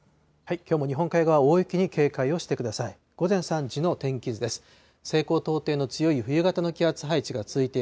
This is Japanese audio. きょうも日本海側、大雪に警戒をしてください。